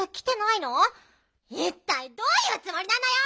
いったいどういうつもりなのよ！